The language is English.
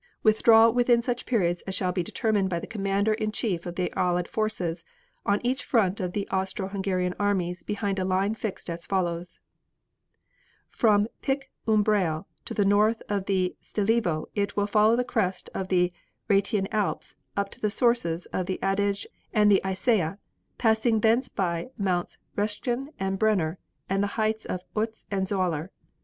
Withdrawal within such periods as shall be determined by the commander in chief of the Allied forces on each front of the Austro Hungarian armies behind a line fixed as follows: From Pic Umbrail to the north of the Stelivo it will follow the crest of the Rhetian Alps up to the sources of the Adige and the Eisaeh, passing thence by Mounts Reschen and Brenner and the heights of Oetz and Zoaller.